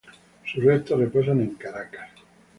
Sus restos reposan en Caracas.